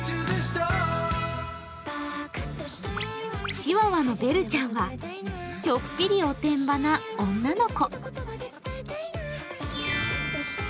チワワのベルちゃんはちょっぴりおてんばな女の子。